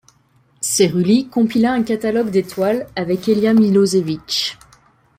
Cerulli compila un catalogue d'étoiles avec Elia Millosevich.